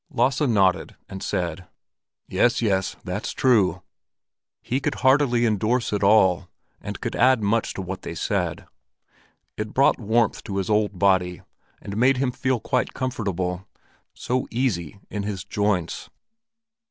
Lasse nodded and said: "Yes, yes, that's true." He could heartily endorse it all, and could add much to what they said. It brought warmth to his old body, and made him feel quite comfortable—so easy in his joints.